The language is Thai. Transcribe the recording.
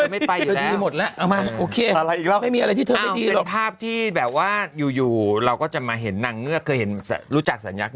ไม่ไปแล้วโอเคไม่มีอะไรที่เท่านั้น่ะภาพที่แบบว่าอยู่แล้ว